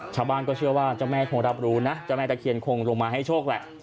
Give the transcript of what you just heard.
ชาวบ้านก็เชื่อว่าเจ้าแม่คงรับรู้นะเจ้าแม่ตะเคียนคงลงมาให้โชคแหละ